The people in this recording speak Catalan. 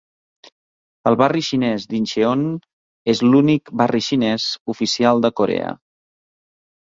El barri xinès d'Incheon és l'únic barri xinès oficial de Corea.